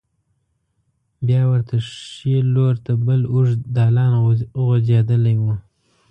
بیا ورته ښې لور ته بل اوږد دالان غوځېدلی و.